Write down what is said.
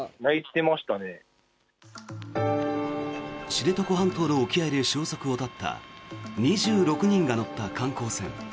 知床半島の沖合で消息を絶った２６人が乗った観光船。